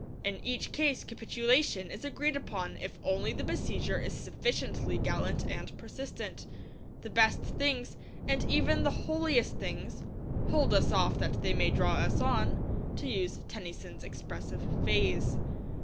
In each case capitulation is agreed upon if only the besieger is sufficiently gallant and persistent. The best things, and even the holiest things, 'hold us off that they may draw us on' to use Tennyson's expressive phrase.